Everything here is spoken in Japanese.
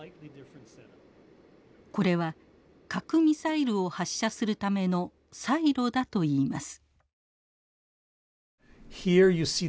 これは核ミサイルを発射するためのサイロだといいます。